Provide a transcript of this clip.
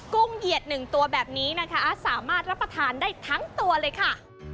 ุ้งเหยียด๑ตัวแบบนี้นะคะสามารถรับประทานได้ทั้งตัวเลยค่ะ